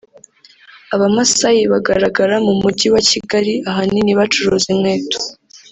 Abamasayi bagaragara mu Mujyi wa Kigali ahanini bacuruza inkweto